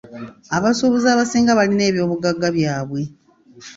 Abasuubuzi abasinga balina ebyobugagga byabwe.